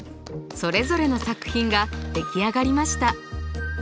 それぞれの作品が出来上がりました。